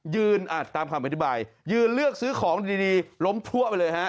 ตามคำอธิบายยืนเลือกซื้อของดีล้มพลั่วไปเลยฮะ